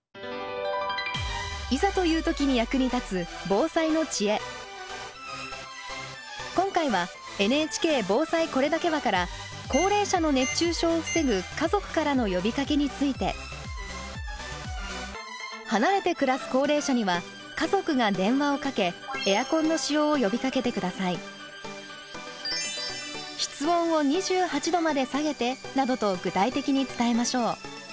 いざという時に役に立つ今回は「ＮＨＫ防災これだけは」から高齢者の熱中症を防ぐ家族からの呼びかけについて。離れて暮らす高齢者には家族が電話をかけエアコンの使用を呼びかけて下さい。などと具体的に伝えましょう。